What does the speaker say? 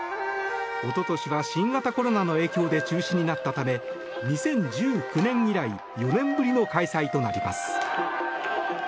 おととしは新型コロナの影響で中止になったため２０１９年以来４年ぶりの開催となります。